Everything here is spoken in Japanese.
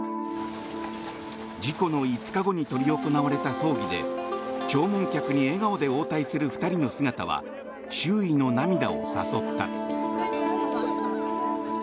事故の５日後に執り行われた葬儀で弔問客に笑顔で応対する２人の姿は周囲の涙を誘った。